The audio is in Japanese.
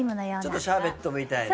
ちょっとシャーベットみたいな。